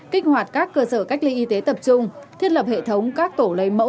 kích hoạt các cơ sở cách ly y tế tập trung thiết lập hệ thống các tổ lấy mẫu